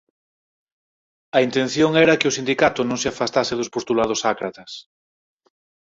A intención era que o sindicato non se afastase dos postulados ácratas.